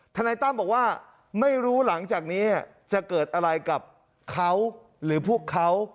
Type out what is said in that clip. นายตั้มบอกว่าไม่รู้หลังจากนี้จะเกิดอะไรกับเขาหรือพวกเขา